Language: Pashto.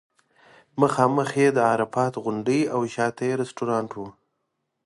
مخامخ یې د عرفات غونډۍ او شاته یې رستورانټ و.